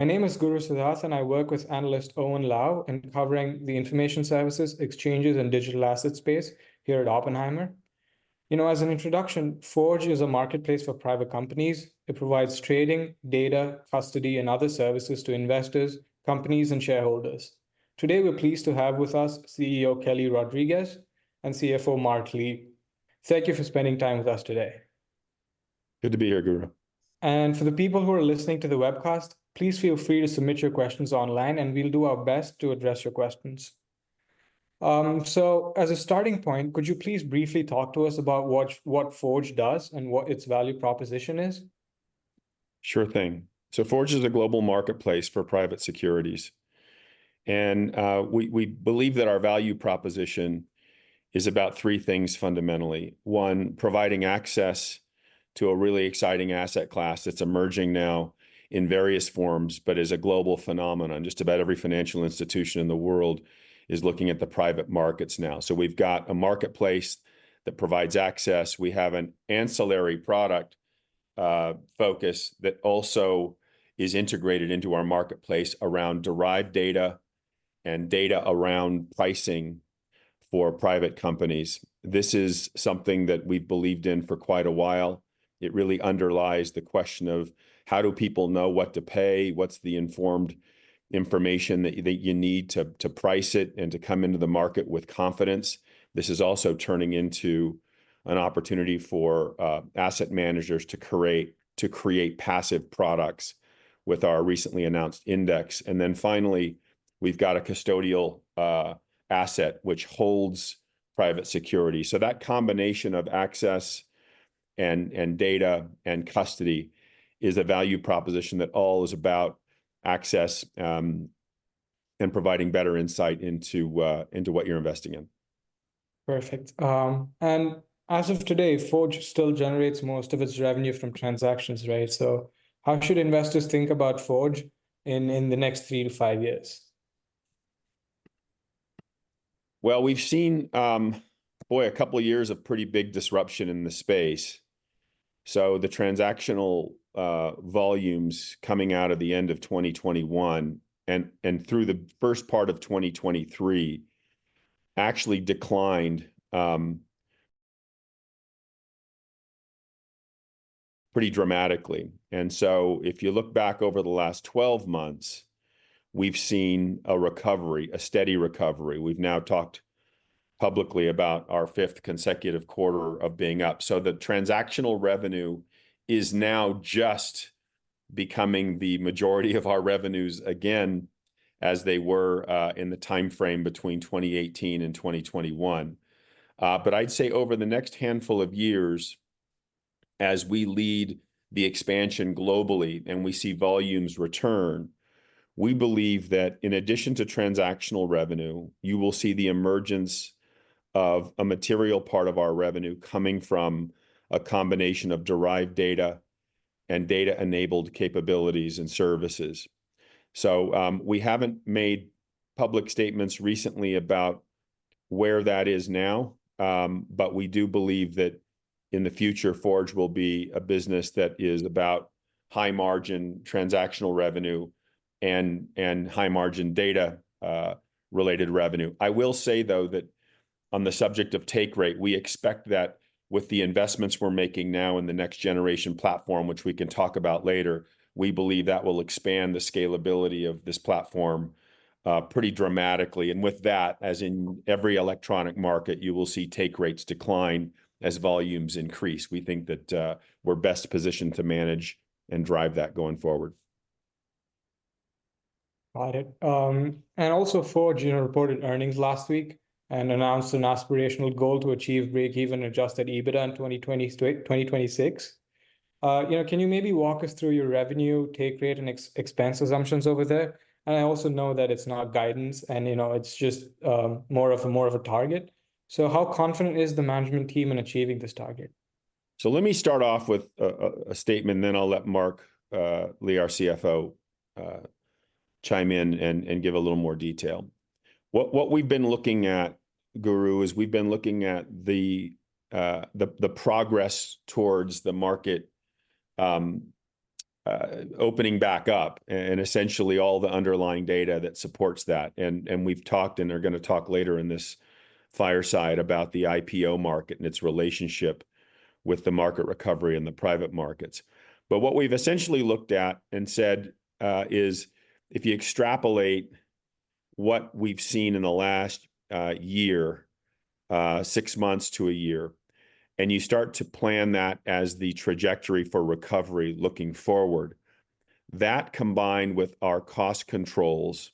My name is Guru Siddharth, and I work with analyst Owen Lau in covering the information services, exchanges, and digital asset space here at Oppenheimer. You know, as an introduction, Forge is a marketplace for private companies. It provides trading, data, custody, and other services to investors, companies, and shareholders. Today, we're pleased to have with us CEO Kelly Rodriques and CFO Mark Lee. Thank you for spending time with us today. Good to be here, Guru. For the people who are listening to the webcast, please feel free to submit your questions online, and we'll do our best to address your questions. As a starting point, could you please briefly talk to us about what, what Forge does and what its value proposition is? Sure thing. So Forge is a global marketplace for private securities, and we believe that our value proposition is about three things fundamentally: one, providing access to a really exciting asset class that's emerging now in various forms but is a global phenomenon. Just about every financial institution in the world is looking at the private markets now. So we've got a marketplace that provides access. We have an ancillary product focus that also is integrated into our marketplace around derived data and data around pricing for private companies. This is something that we've believed in for quite a while. It really underlies the question of: How do people know what to pay? What's the informed information that you need to price it and to come into the market with confidence? This is also turning into an opportunity for asset managers to create passive products with our recently announced index. And then finally, we've got a custodial asset which holds private security. So that combination of access and data and custody is a value proposition that all is about access, and providing better insight into what you're investing in. Perfect. And as of today, Forge still generates most of its revenue from transactions, right? So how should investors think about Forge in the next three to five years? Well, we've seen, boy, a couple of years of pretty big disruption in the space. So the transactional volumes coming out of the end of 2021 and through the first part of 2023 actually declined pretty dramatically. And so if you look back over the last 12 months, we've seen a recovery, a steady recovery. We've now talked publicly about our 5th consecutive quarter of being up. So the transactional revenue is now just becoming the majority of our revenues again, as they were in the timeframe between 2018 and 2021. But I'd say over the next handful of years, as we lead the expansion globally and we see volumes return, we believe that in addition to transactional revenue, you will see the emergence of a material part of our revenue coming from a combination of derived data and data-enabled capabilities and services. So, we haven't made public statements recently about where that is now, but we do believe that in the future, Forge will be a business that is about high-margin transactional revenue and, and high-margin data, related revenue. I will say, though, that on the subject of take rate, we expect that with the investments we're making now in the next-generation platform, which we can talk about later, we believe that will expand the scalability of this platform, pretty dramatically. And with that, as in every electronic market, you will see take rates decline as volumes increase. We think that, we're best positioned to manage and drive that going forward. Got it. And also, Forge, you know, reported earnings last week and announced an aspirational goal to achieve breakeven adjusted EBITDA in 2026. You know, can you maybe walk us through your revenue, take rate, and expense assumptions over there? And I also know that it's not guidance, and, you know, it's just more of a target. So how confident is the management team in achieving this target? So let me start off with a statement, then I'll let Mark Lee, our CFO, chime in and give a little more detail. What we've been looking at, Guru, is we've been looking at the progress towards the market opening back up and essentially all the underlying data that supports that. We've talked, and are gonna talk later in this fireside about the IPO market and its relationship with the market recovery and the private markets. But what we've essentially looked at and said is, if you extrapolate what we've seen in the last year, six months to a year, and you start to plan that as the trajectory for recovery looking forward, that combined with our cost controls...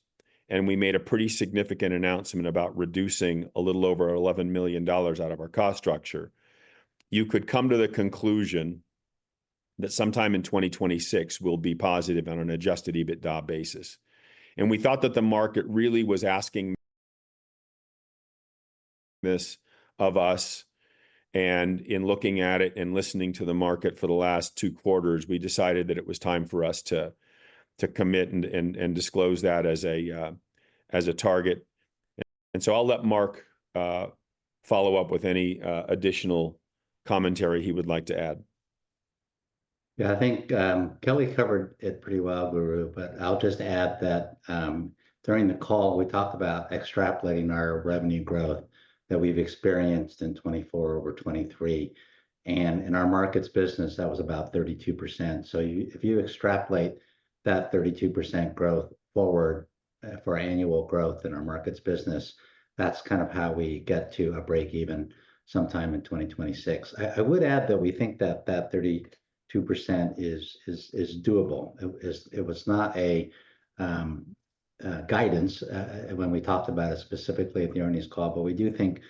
We made a pretty significant announcement about reducing a little over $11 million out of our cost structure. You could come to the conclusion that sometime in 2026, we'll be positive on an adjusted EBITDA basis. We thought that the market really was asking this of us, and in looking at it and listening to the market for the last two quarters, we decided that it was time for us to commit and disclose that as a target, and so I'll let Mark follow up with any additional commentary he would like to add. Yeah, I think Kelly covered it pretty well, Guru, but I'll just add that during the call, we talked about extrapolating our revenue growth that we've experienced in 2024 over 2023, and in our markets business, that was about 32%. So if you extrapolate that 32% growth forward for annual growth in our markets business, that's kind of how we get to a break even sometime in 2026. I would add that we think that 32% is doable. It was not a guidance when we talked about it specifically at the earnings call, but we do think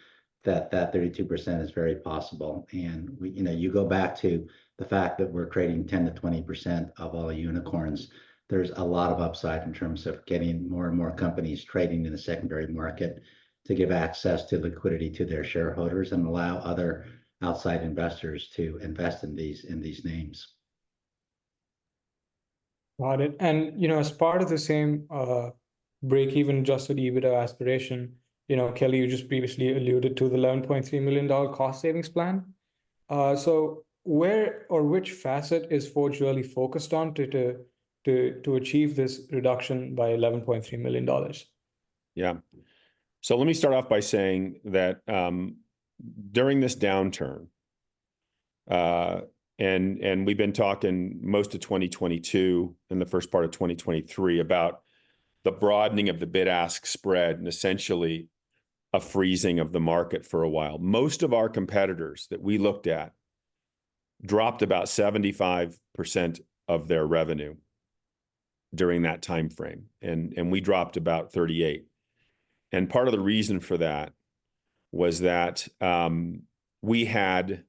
that 32% is very possible. And we, you know, you go back to the fact that we're creating 10%-20% of all unicorns. There's a lot of upside in terms of getting more and more companies trading in the secondary market to give access to liquidity to their shareholders and allow other outside investors to invest in these, in these names. Got it. And, you know, as part of the same, break-even Adjusted EBITDA aspiration, you know, Kelly, you just previously alluded to the $11.3 million cost savings plan. So where or which facet is Forge really focused on to achieve this reduction by $11.3 million? Yeah. So let me start off by saying that, during this downturn, and we've been talking most of 2022 and the first part of 2023 about the broadening of the bid-ask spread and essentially a freezing of the market for a while. Most of our competitors that we looked at dropped about 75% of their revenue during that timeframe, and we dropped about 38%. Part of the reason for that was that, we had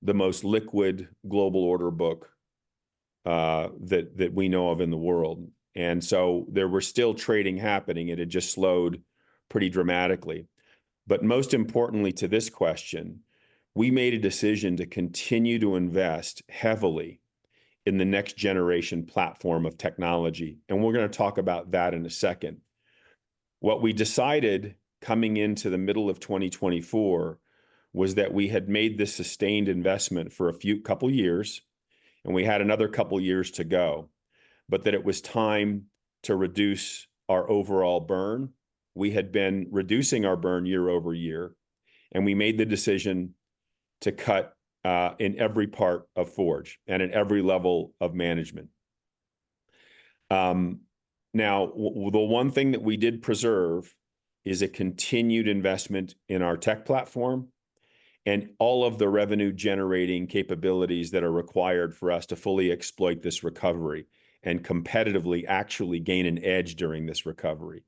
the most liquid global order book, that we know of in the world, and so there were still trading happening. It had just slowed pretty dramatically. But most importantly to this question, we made a decision to continue to invest heavily in the next generation platform of technology, and we're gonna talk about that in a second. What we decided coming into the middle of 2024 was that we had made this sustained investment for a few couple years, and we had another couple years to go, but that it was time to reduce our overall burn. We had been reducing our burn year-over-year, and we made the decision to cut in every part of Forge and in every level of management. Now, the one thing that we did preserve is a continued investment in our tech platform and all of the revenue-generating capabilities that are required for us to fully exploit this recovery and competitively actually gain an edge during this recovery.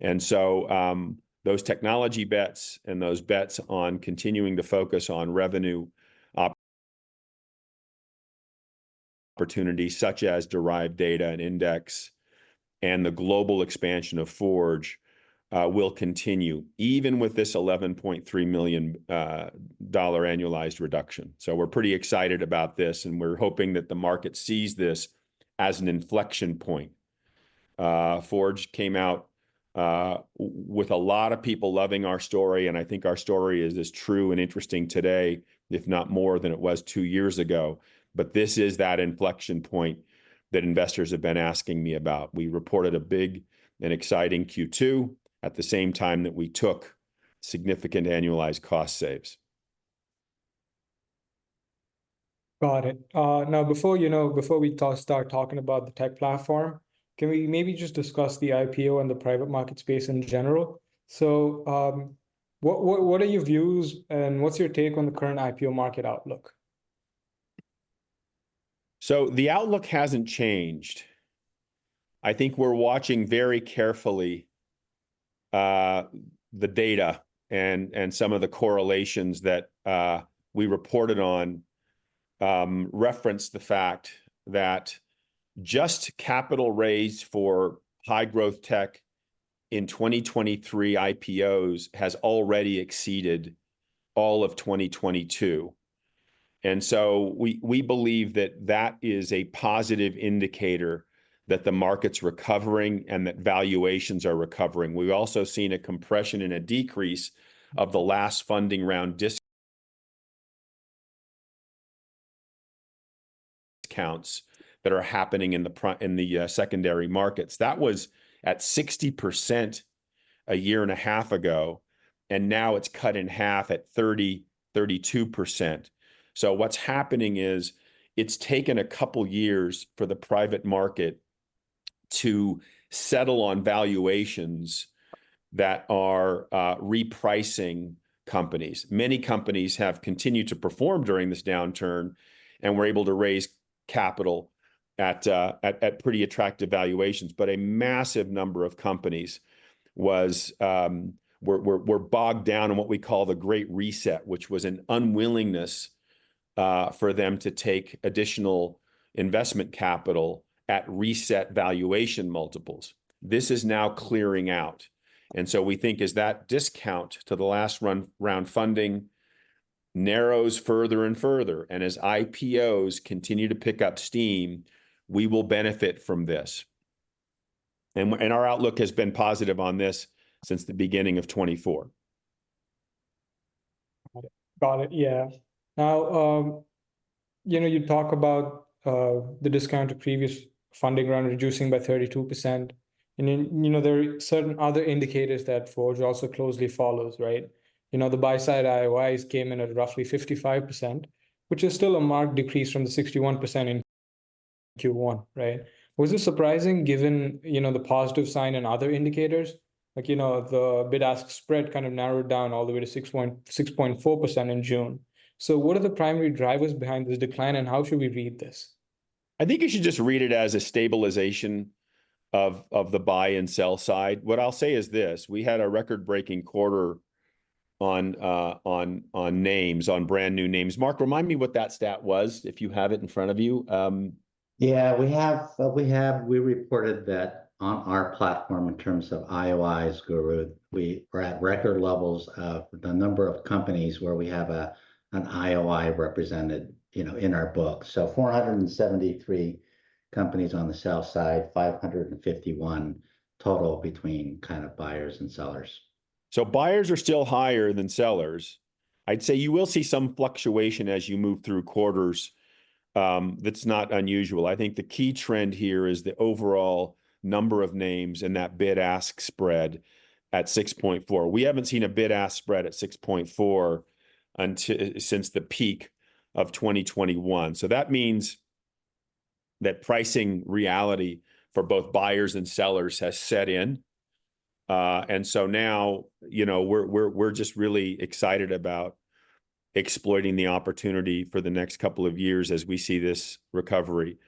Those technology bets and those bets on continuing to focus on revenue opportunities such as derived data and index and the global expansion of Forge will continue even with this $11.3 million dollar annualized reduction. We're pretty excited about this, and we're hoping that the market sees this as an inflection point. Forge came out with a lot of people loving our story, and I think our story is as true and interesting today, if not more, than it was two years ago. But this is that inflection point that investors have been asking me about. We reported a big and exciting Q2 at the same time that we took significant annualized cost saves. Got it. Now, before, you know, before we start talking about the tech platform, can we maybe just discuss the IPO and the private market space in general? So, what are your views, and what's your take on the current IPO market outlook? So the outlook hasn't changed. I think we're watching very carefully the data, and some of the correlations that we reported on reference the fact that just capital raised for high-growth tech in 2023 IPOs has already exceeded all of 2022. And so we believe that that is a positive indicator that the market's recovering and that valuations are recovering. We've also seen a compression and a decrease of the last funding round discounts that are happening in the private secondary markets. That was at 60% a year and a half ago, and now it's cut in half at 30-32%. So what's happening is, it's taken a couple years for the private market to settle on valuations that are repricing companies. Many companies have continued to perform during this downturn and were able to raise capital at pretty attractive valuations. But a massive number of companies was were bogged down in what we call the Great Reset, which was an unwillingness for them to take additional investment capital at reset valuation multiples. This is now clearing out, and so we think as that discount to the last round funding narrows further and further, and as IPOs continue to pick up steam, we will benefit from this. And our outlook has been positive on this since the beginning of 2024. Got it. Got it, yeah. Now, you know, you talk about the discount to previous funding round reducing by 32%, and then, you know, there are certain other indicators that Forge also closely follows, right? You know, the buy side IOIs came in at roughly 55%, which is still a marked decrease from the 61% in Q1, right? Was this surprising, given, you know, the positive sign in other indicators? Like, you know, the bid-ask spread kind of narrowed down all the way to 6.4% in June. So what are the primary drivers behind this decline, and how should we read this? I think you should just read it as a stabilization of, of the buy and sell side. What I'll say is this: we had a record-breaking quarter on, on names, on brand-new names. Mark, remind me what that stat was, if you have it in front of you. Yeah, we have reported that on our platform in terms of IOIs, Guru, we are at record levels of the number of companies where we have an IOI represented, you know, in our books. So 473 companies on the sell side, 551 total between kind of buyers and sellers. So buyers are still higher than sellers. I'd say you will see some fluctuation as you move through quarters. That's not unusual. I think the key trend here is the overall number of names and that bid-ask spread at 6.4. We haven't seen a bid-ask spread at 6.4 since the peak of 2021. So that means that pricing reality for both buyers and sellers has set in. And so now, you know, we're just really excited about exploiting the opportunity for the next couple of years as we see this recovery.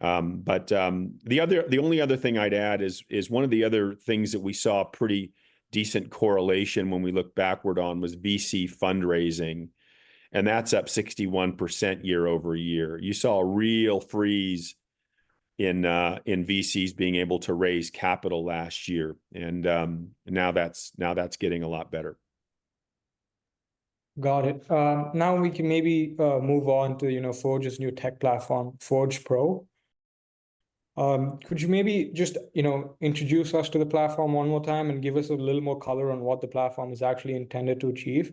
But the only other thing I'd add is one of the other things that we saw a pretty decent correlation when we look backward on was VC fundraising, and that's up 61% year-over-year. You saw a real freeze in VCs being able to raise capital last year, and now that's getting a lot better. Got it. Now we can maybe move on to, you know, Forge's new tech platform, Forge Pro. Could you maybe just, you know, introduce us to the platform one more time and give us a little more color on what the platform is actually intended to achieve?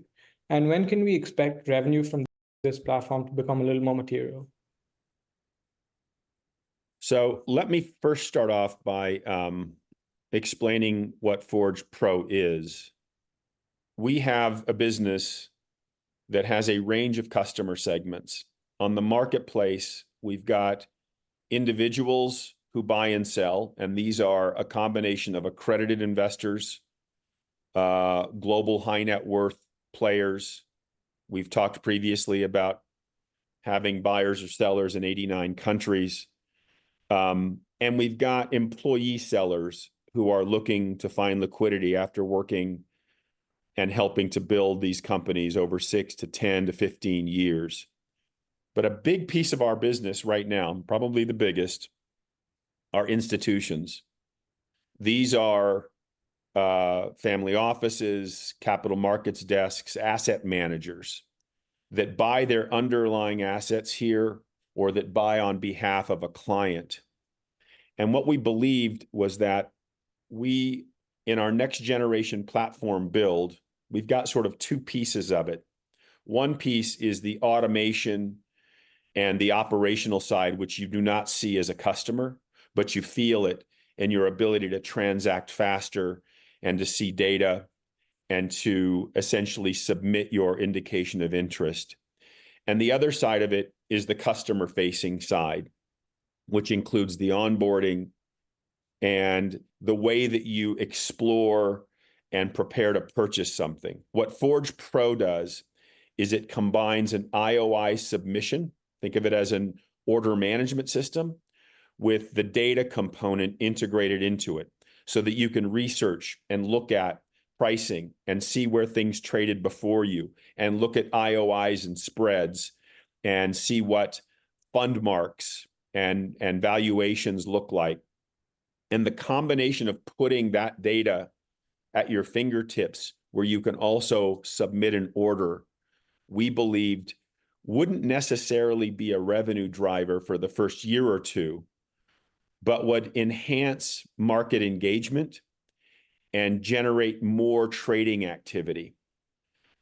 And when can we expect revenue from this platform to become a little more material? So let me first start off by explaining what Forge Pro is. We have a business that has a range of customer segments. On the marketplace, we've got individuals who buy and sell, and these are a combination of accredited investors, global high-net-worth players. We've talked previously about having buyers or sellers in 89 countries. And we've got employee sellers who are looking to find liquidity after working and helping to build these companies over 6 to 10 to 15 years. But a big piece of our business right now, probably the biggest, are institutions. These are family offices, capital markets desks, asset managers that buy their underlying assets here or that buy on behalf of a client. And what we believed was that we, in our next-generation platform build, we've got sort of two pieces of it. One piece is the automation and the operational side, which you do not see as a customer, but you feel it in your ability to transact faster and to see data and to essentially submit your indication of interest. The other side of it is the customer-facing side, which includes the onboarding and the way that you explore and prepare to purchase something. What Forge Pro does is it combines an IOI submission, think of it as an order management system, with the data component integrated into it so that you can research and look at pricing and see where things traded before you and look at IOIs and spreads and see what fund marks and valuations look like. The combination of putting that data at your fingertips, where you can also submit an order, we believed wouldn't necessarily be a revenue driver for the first year or two, but would enhance market engagement and generate more trading activity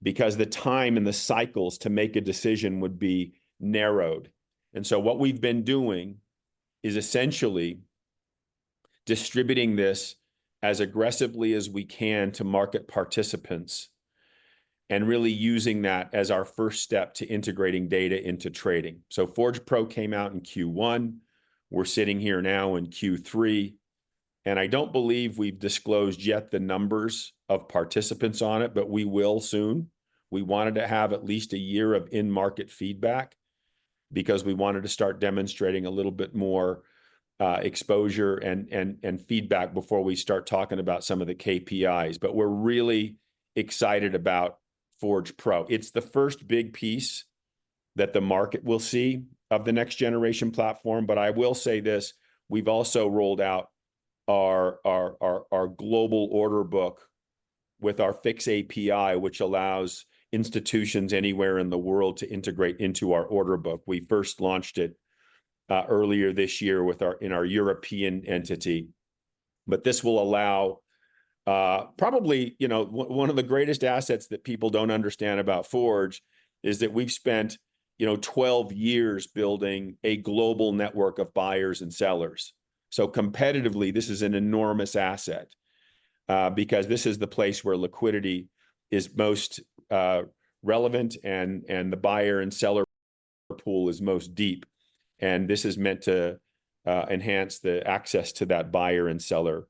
because the time and the cycles to make a decision would be narrowed. So what we've been doing is essentially distributing this as aggressively as we can to market participants and really using that as our first step to integrating data into trading. Forge Pro came out in Q1. We're sitting here now in Q3, and I don't believe we've disclosed yet the numbers of participants on it, but we will soon. We wanted to have at least a year of in-market feedback because we wanted to start demonstrating a little bit more exposure and feedback before we start talking about some of the KPIs. But we're really excited about Forge Pro. It's the first big piece that the market will see of the next generation platform. But I will say this: we've also rolled out our global order book with our fixed API, which allows institutions anywhere in the world to integrate into our order book. We first launched it earlier this year in our European entity. But this will allow probably, you know, one of the greatest assets that people don't understand about Forge is that we've spent, you know, 12 years building a global network of buyers and sellers. So competitively, this is an enormous asset, because this is the place where liquidity is most relevant and the buyer and seller pool is most deep, and this is meant to enhance the access to that buyer and seller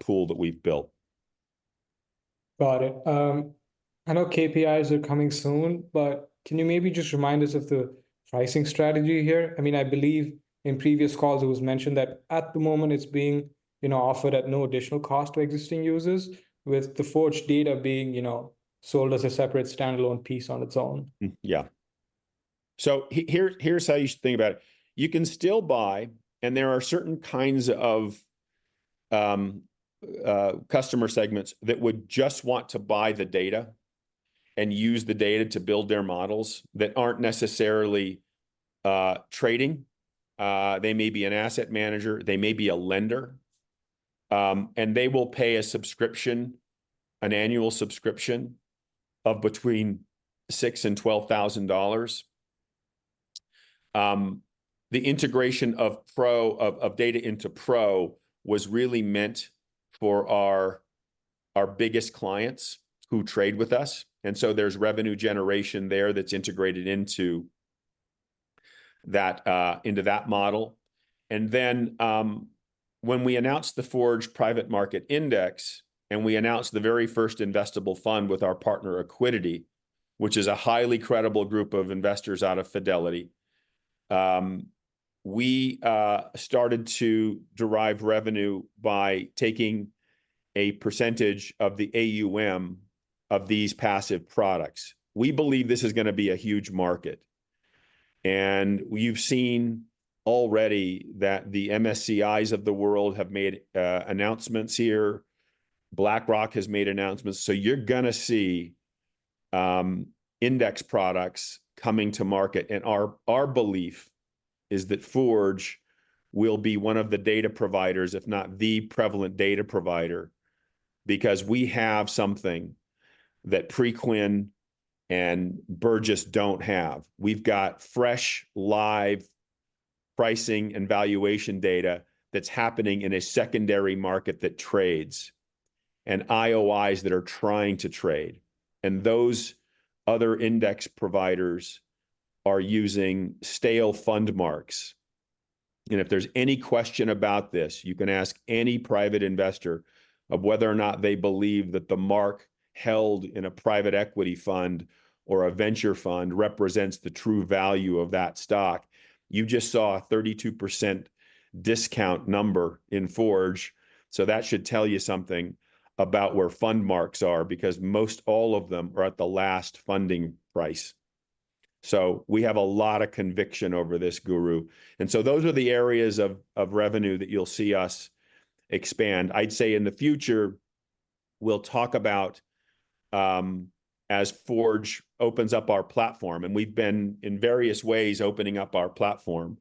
pool that we've built. Got it. I know KPIs are coming soon, but can you maybe just remind us of the pricing strategy here? I mean, I believe in previous calls it was mentioned that at the moment, it's being, you know, offered at no additional cost to existing users, with the Forge Data being, you know, sold as a separate standalone piece on its own. Yeah. So here, here's how you should think about it. You can still buy, and there are certain kinds of customer segments that would just want to buy the data and use the data to build their models that aren't necessarily trading. They may be an asset manager, they may be a lender, and they will pay a subscription, an annual subscription of between $6,000 and $12,000. The integration of data into Pro was really meant for our biggest clients who trade with us, and so there's revenue generation there that's integrated into that model. And then, when we announced the Forge Private Market Index, and we announced the very first investable fund with our partner, Accuidity, which is a highly credible group of investors out of Fidelity, we started to derive revenue by taking a percentage of the AUM of these passive products. We believe this is gonna be a huge market, and we've seen already that the MSCI's of the world have made announcements here. BlackRock has made announcements. So you're gonna see index products coming to market, and our belief is that Forge will be one of the data providers, if not the prevalent data provider, because we have something that Preqin and Burgiss don't have. We've got fresh, live pricing and valuation data that's happening in a secondary market that trades, and IOIs that are trying to trade, and those other index providers are using stale fund marks. And if there's any question about this, you can ask any private investor of whether or not they believe that the mark held in a private equity fund or a venture fund represents the true value of that stock. You just saw a 32% discount number in Forge, so that should tell you something about where fund marks are, because most all of them are at the last funding price. So we have a lot of conviction over this, Guru. And so those are the areas of revenue that you'll see us expand. I'd say in the future, we'll talk about, as Forge opens up our platform, and we've been, in various ways, opening up our platform,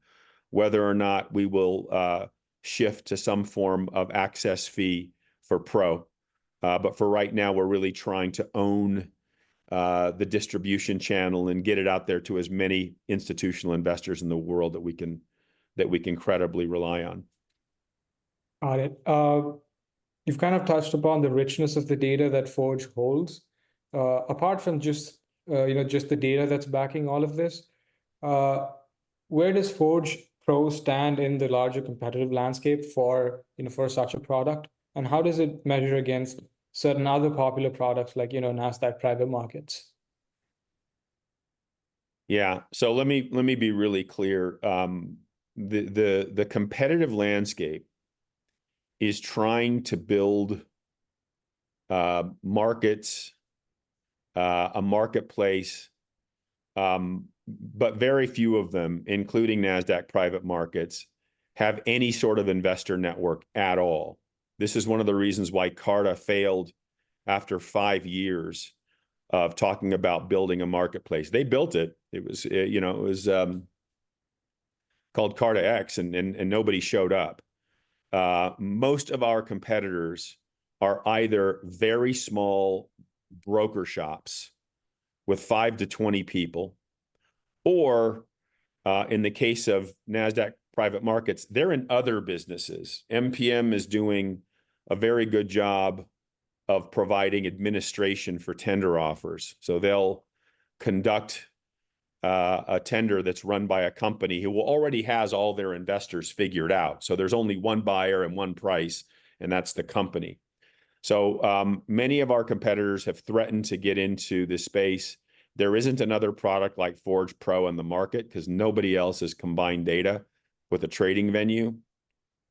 whether or not we will shift to some form of access fee for Pro. But for right now, we're really trying to own the distribution channel and get it out there to as many institutional investors in the world that we can, that we can credibly rely on. Got it. You've kind of touched upon the richness of the data that Forge holds. Apart from just, you know, just the data that's backing all of this, where does Forge Pro stand in the larger competitive landscape for, you know, for such a product? And how does it measure against certain other popular products like, you know, Nasdaq Private Market? Yeah. So let me, let me be really clear. The competitive landscape is trying to build markets, a marketplace, but very few of them, including Nasdaq Private Markets, have any sort of investor network at all. This is one of the reasons why Carta failed after five years of talking about building a marketplace. They built it. It was, you know, it was called Carta X, and nobody showed up. Most of our competitors are either very small broker shops with five to 20 people, or, in the case of Nasdaq Private Markets, they're in other businesses. MPM is doing a very good job of providing administration for tender offers. So they'll conduct a tender that's run by a company who already has all their investors figured out, so there's only one buyer and one price, and that's the company. So many of our competitors have threatened to get into this space. There isn't another product like Forge Pro in the market, 'cause nobody else has combined data with a trading venue....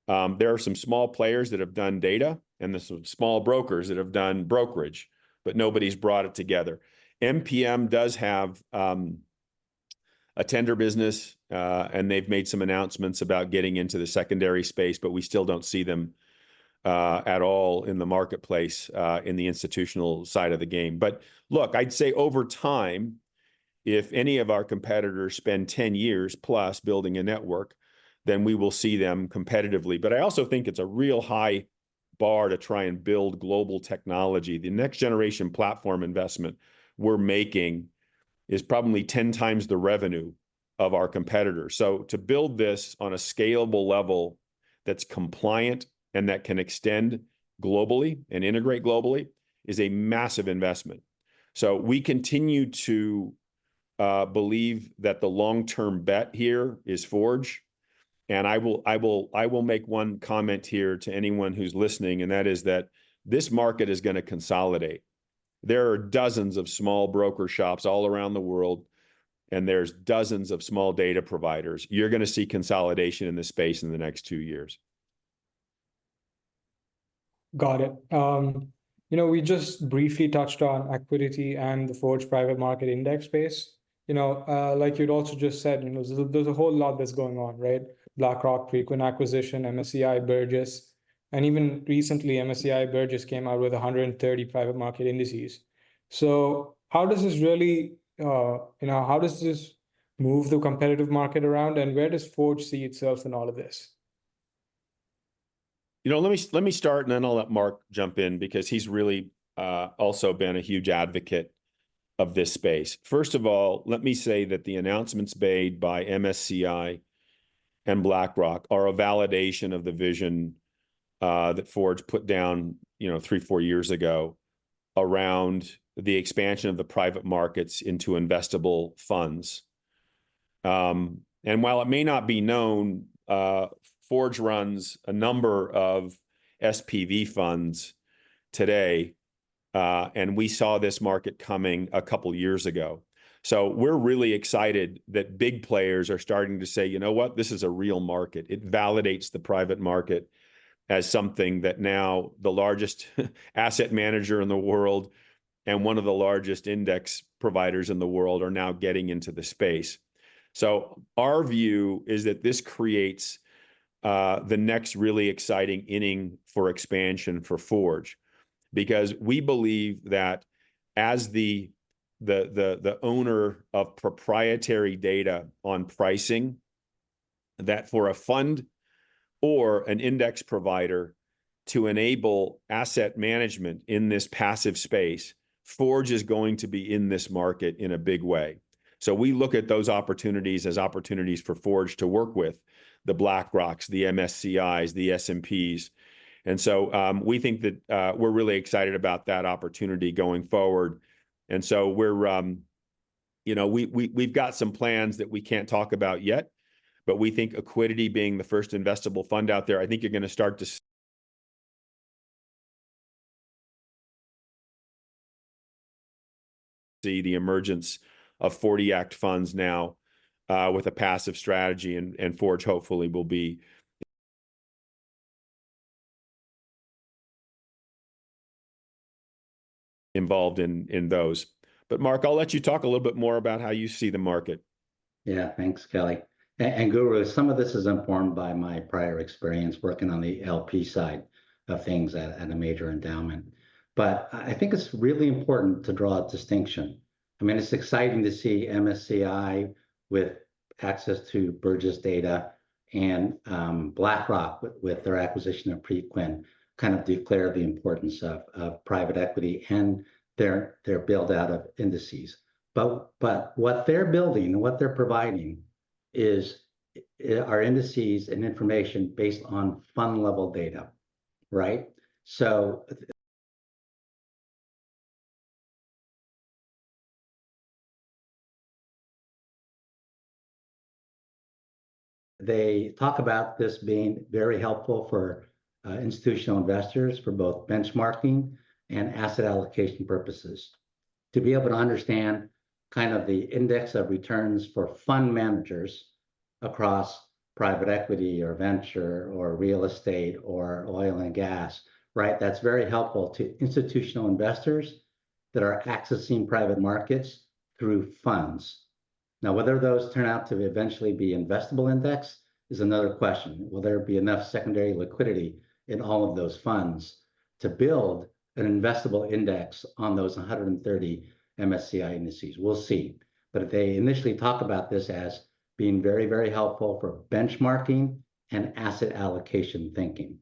there are some small players that have done data, and there's some small brokers that have done brokerage, but nobody's brought it together. MPM does have a tender business, and they've made some announcements about getting into the secondary space, but we still don't see them at all in the marketplace, in the institutional side of the game. But look, I'd say over time, if any of our competitors spend 10 years plus building a network, then we will see them competitively. But I also think it's a real high bar to try and build global technology. The next-generation platform investment we're making is probably 10 times the revenue of our competitors. So to build this on a scalable level that's compliant and that can extend globally and integrate globally is a massive investment. So we continue to believe that the long-term bet here is Forge, and I will make one comment here to anyone who's listening, and that is that this market is gonna consolidate. There are dozens of small broker shops all around the world, and there's dozens of small data providers. You're gonna see consolidation in this space in the next 2 years. Got it. You know, we just briefly touched on Accuidity and the Forge Private Market Index space. You know, like you'd also just said, you know, there's a whole lot that's going on, right? BlackRock, Preqin acquisition, MSCI, Burgiss, and even recently, MSCI Burgiss came out with 130 private market indices. So how does this really, you know, how does this move the competitive market around, and where does Forge see itself in all of this? You know, let me, let me start, and then I'll let Mark jump in because he's really also been a huge advocate of this space. First of all, let me say that the announcements made by MSCI and BlackRock are a validation of the vision that Forge put down, you know, 3, 4 years ago around the expansion of the private markets into investable funds. And while it may not be known, Forge runs a number of SPV funds today, and we saw this market coming a couple of years ago. So we're really excited that big players are starting to say, "You know what? This is a real market." It validates the private market as something that now the largest asset manager in the world and one of the largest index providers in the world are now getting into the space. So our view is that this creates the next really exciting inning for expansion for Forge. Because we believe that as the owner of proprietary data on pricing, that for a fund or an index provider to enable asset management in this passive space, Forge is going to be in this market in a big way. So we look at those opportunities as opportunities for Forge to work with the BlackRocks, the MSCIs, the S&Ps. And so we think that we're really excited about that opportunity going forward. And so we're... You know, we, we've got some plans that we can't talk about yet, but we think Accuidity being the first investable fund out there, I think you're gonna start to see the emergence of 40 Act funds now, with a passive strategy, and Forge hopefully will be involved in those. But Mark, I'll let you talk a little bit more about how you see the market. Yeah. Thanks, Kelly. And Guru, some of this is informed by my prior experience working on the LP side of things at a major endowment. But I think it's really important to draw a distinction. I mean, it's exciting to see MSCI with access to Burgiss data and BlackRock with their acquisition of Preqin, kind of declare the importance of private equity and their build-out of indices. But what they're building and what they're providing are indices and information based on fund-level data, right? So they talk about this being very helpful for institutional investors for both benchmarking and asset allocation purposes. To be able to understand kind of the index of returns for fund managers across private equity or venture or real estate or oil and gas, right? That's very helpful to institutional investors that are accessing private markets through funds. Now, whether those turn out to eventually be investable index is another question. Will there be enough secondary liquidity in all of those funds to build an investable index on those 130 MSCI indices? We'll see. But they initially talk about this as being very, very helpful for benchmarking and asset allocation thinking.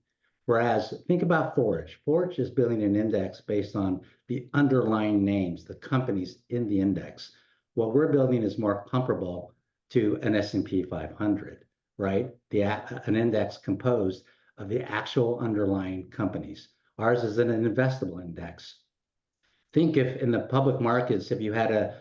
Whereas think about Forge. Forge is building an index based on the underlying names, the companies in the index. What we're building is more comparable to an S&P 500, right? An index composed of the actual underlying companies. Ours is an investable index. Think if in the public markets, if you had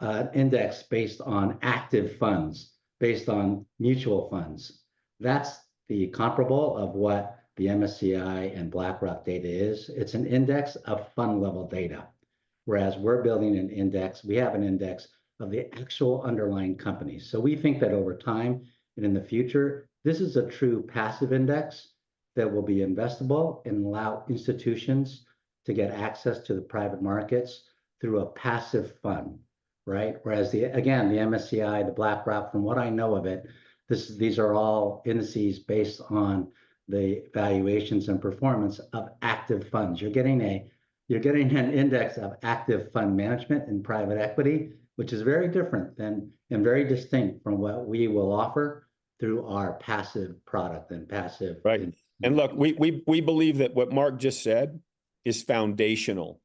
an index based on active funds, based on mutual funds, that's the comparable of what the MSCI and BlackRock data is. It's an index of fund-level data.... Whereas we're building an index, we have an index of the actual underlying companies. So we think that over time, and in the future, this is a true passive index that will be investable and allow institutions to get access to the private markets through a passive fund, right? Whereas the, again, the MSCI, the BlackRock, from what I know of it, this is, these are all indices based on the valuations and performance of active funds. You're getting an index of active fund management and private equity, which is very different than, and very distinct from what we will offer through our passive product and passive- Right. And look, we believe that what Mark just said is foundational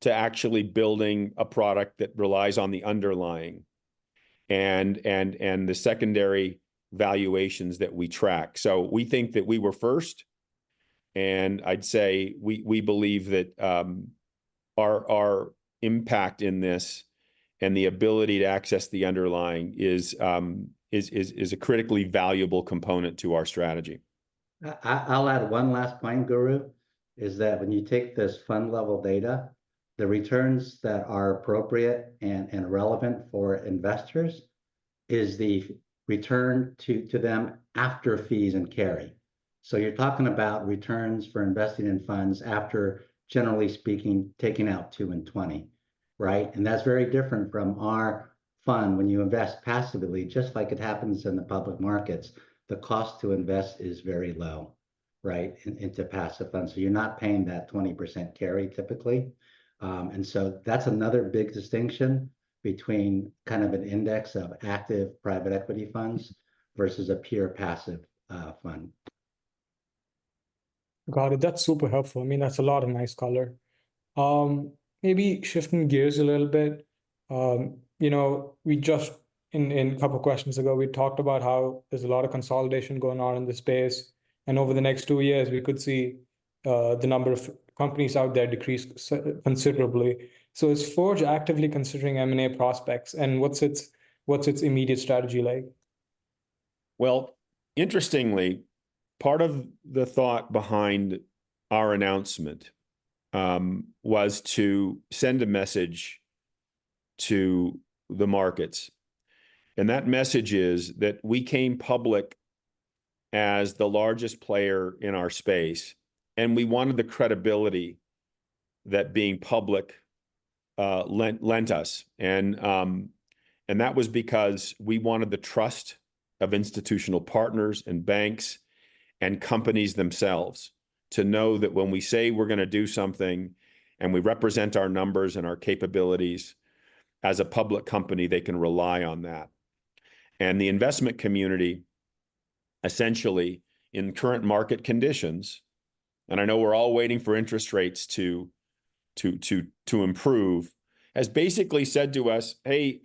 to actually building a product that relies on the underlying and the secondary valuations that we track. So we think that we were first, and I'd say we believe that our impact in this and the ability to access the underlying is a critically valuable component to our strategy. I'll add one last point, Guru, is that when you take this fund-level data, the returns that are appropriate and relevant for investors is the return to them after fees and carry. So you're talking about returns for investing in funds after, generally speaking, taking out 2 and 20, right? And that's very different from our fund. When you invest passively, just like it happens in the public markets, the cost to invest is very low, right, into passive funds. So you're not paying that 20% carry typically. And so that's another big distinction between kind of an index of active private equity funds versus a pure passive fund. Got it. That's super helpful. I mean, that's a lot of nice color. Maybe shifting gears a little bit, you know, we just in a couple questions ago, we talked about how there's a lot of consolidation going on in the space, and over the next two years, we could see the number of companies out there decrease considerably. So is Forge actively considering M&A prospects, and what's its immediate strategy like? Well, interestingly, part of the thought behind our announcement was to send a message to the markets, and that message is that we came public as the largest player in our space, and we wanted the credibility that being public lent us. And that was because we wanted the trust of institutional partners and banks and companies themselves to know that when we say we're gonna do something, and we represent our numbers and our capabilities as a public company, they can rely on that. And the investment community, essentially, in current market conditions, and I know we're all waiting for interest rates to improve, has basically said to us, "Hey,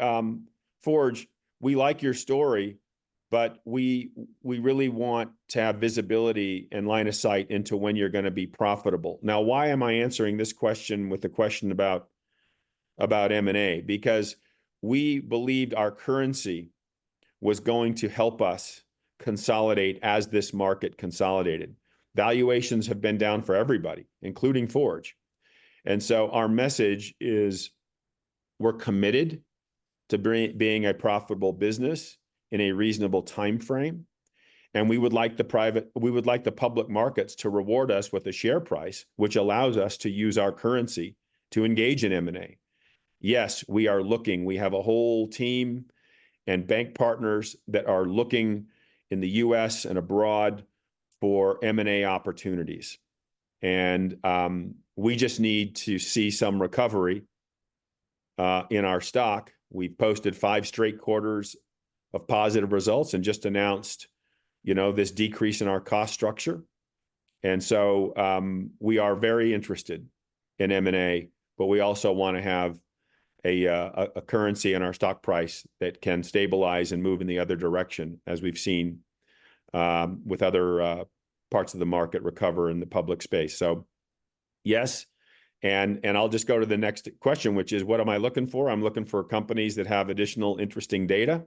Forge, we like your story, but we really want to have visibility and line of sight into when you're gonna be profitable." Now, why am I answering this question with a question about M&A? Because we believed our currency was going to help us consolidate as this market consolidated. Valuations have been down for everybody, including Forge, and so our message is: we're committed to being a profitable business in a reasonable timeframe, and we would like the private—we would like the public markets to reward us with a share price which allows us to use our currency to engage in M&A. Yes, we are looking. We have a whole team and bank partners that are looking in the U.S. and abroad for M&A opportunities, and we just need to see some recovery in our stock. We've posted five straight quarters of positive results and just announced, you know, this decrease in our cost structure. And so, we are very interested in M&A, but we also wanna have a currency in our stock price that can stabilize and move in the other direction, as we've seen with other parts of the market recover in the public space. So yes, and I'll just go to the next question, which is: What am I looking for? I'm looking for companies that have additional interesting data,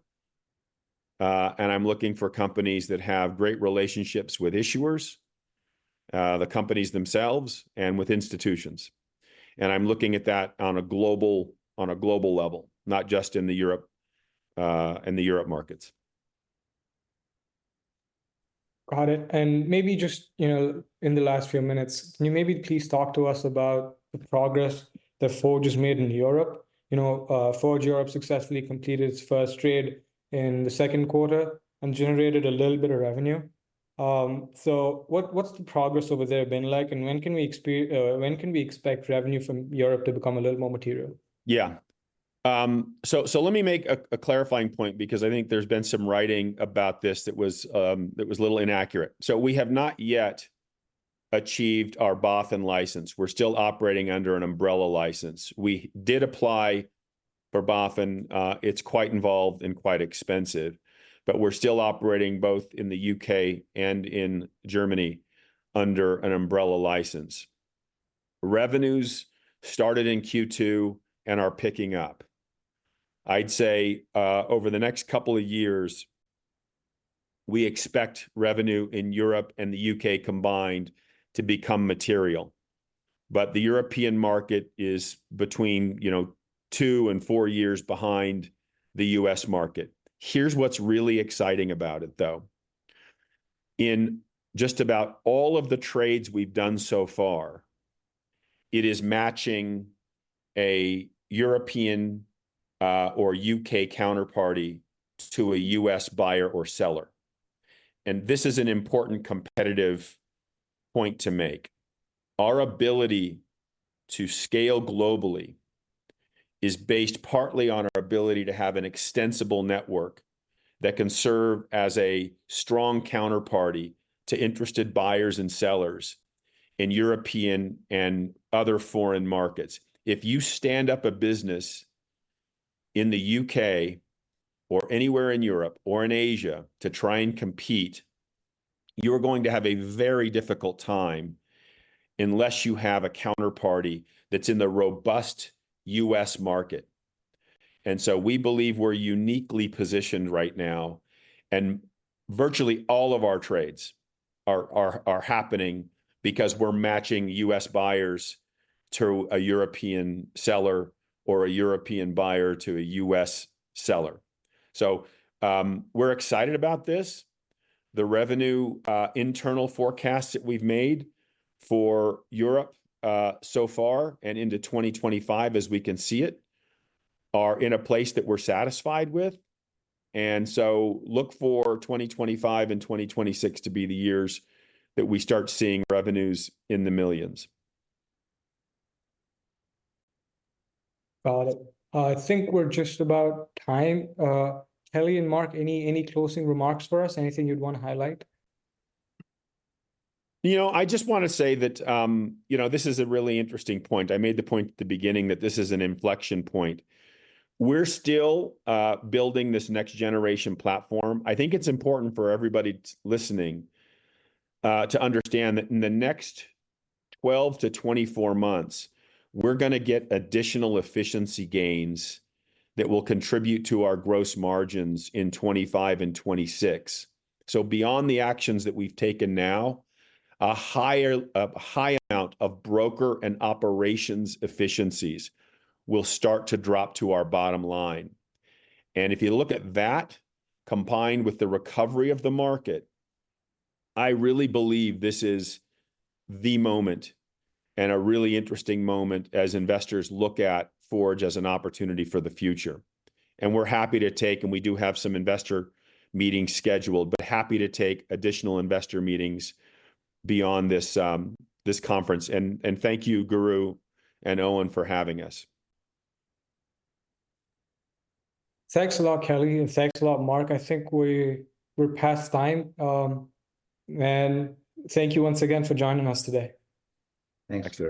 and I'm looking for companies that have great relationships with issuers, the companies themselves, and with institutions. I'm looking at that on a global, on a global level, not just in the Europe, in the Europe markets. Got it, and maybe just, you know, in the last few minutes, can you maybe please talk to us about the progress that Forge has made in Europe? You know, Forge Europe successfully completed its first trade in the second quarter and generated a little bit of revenue. So what's the progress over there been like, and when can we expect revenue from Europe to become a little more material? Yeah. So let me make a clarifying point because I think there's been some writing about this that was a little inaccurate. So we have not yet achieved our BaFin license. We're still operating under an umbrella license. We did apply for BaFin. It's quite involved and quite expensive, but we're still operating both in the U.K. and in Germany under an umbrella license. Revenues started in Q2 and are picking up. I'd say over the next couple of years we expect revenue in Europe and the U.K. combined to become material. But the European market is between, you know, two and four years behind the U.S. market. Here's what's really exciting about it, though. In just about all of the trades we've done so far, it is matching a European, or U.K. counterparty to a U.S. buyer or seller, and this is an important competitive point to make. Our ability to scale globally is based partly on our ability to have an extensible network that can serve as a strong counterparty to interested buyers and sellers in European and other foreign markets. If you stand up a business in the U.K. or anywhere in Europe or in Asia to try and compete, you're going to have a very difficult time unless you have a counterparty that's in the robust U.S. market. And so we believe we're uniquely positioned right now, and virtually all of our trades are happening because we're matching U.S. buyers to a European seller or a European buyer to a U.S. seller. So, we're excited about this. The revenue, internal forecasts that we've made for Europe, so far and into 2025, as we can see it, are in a place that we're satisfied with. And so look for 2025 and 2026 to be the years that we start seeing revenues in the $ millions. Got it. I think we're just about time. Kelly and Mark, any, any closing remarks for us? Anything you'd want to highlight? You know, I just wanna say that, you know, this is a really interesting point. I made the point at the beginning that this is an inflection point. We're still building this next-generation platform. I think it's important for everybody listening to understand that in the next 12-24 months, we're gonna get additional efficiency gains that will contribute to our gross margins in 2025 and 2026. So beyond the actions that we've taken now, a high amount of broker and operations efficiencies will start to drop to our bottom line. And if you look at that, combined with the recovery of the market, I really believe this is the moment, and a really interesting moment, as investors look at Forge as an opportunity for the future. We're happy to take, and we do have some investor meetings scheduled, but happy to take additional investor meetings beyond this conference. And thank you, Guru and Owen, for having us. Thanks a lot, Kelly, and thanks a lot, Mark. I think we're past time. Thank you once again for joining us today. Thanks.